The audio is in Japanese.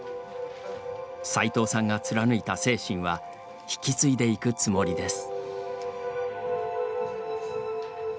さいとうさんが貫いた精神は引き継いでいくつもりです。